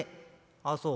「ああそう。